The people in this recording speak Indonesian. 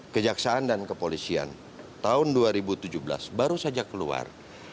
kejaksaan dan kepolisian tahun dua ribu tujuh belas baru saja keluar